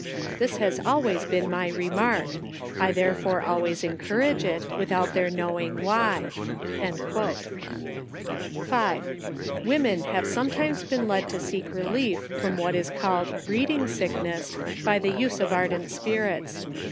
This has always been my remark ! I therefore always encourage it, without their knowing why." 5. Women have sometimes been led to seek relief from what is called breeding sickness, by the use of ar dent spirits.